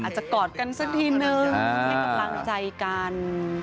อาจจะกอดกันซักทีนึงและกำลังใจกัน